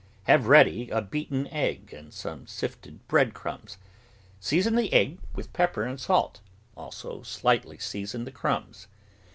Have ready a beaten egg and some sifted bread crumbs. Season the egg with pepper and salt; also slightly season the crumbs.